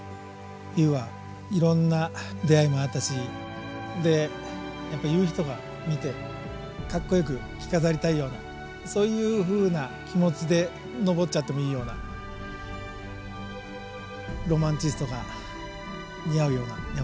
冬はいろんな出会いもあったしでやっぱ夕日とか見てかっこよく着飾りたいようなそういうふうな気持ちで登っちゃってもいいようなロマンチストが似合うような山だと思います。